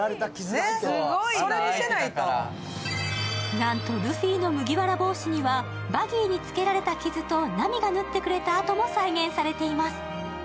なんとルフィの麦わら帽子にはバギーにつけられた傷とナミが塗ってくれた痕も再現されています。